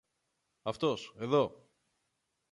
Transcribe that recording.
Αυτός, εδώ!